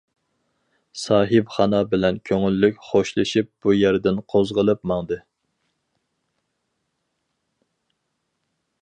ساھىبخانا بىلەن كۆڭۈللۈك خوشلىشىپ بۇ يەردىن قوزغىلىپ ماڭدى.